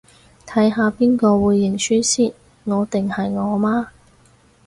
睇下邊個會認輸先，我定係我媽